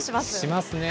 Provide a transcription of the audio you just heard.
しますね。